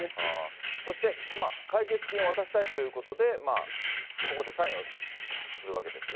そして、解決金を渡したいということで、ここでサインをするわけですが。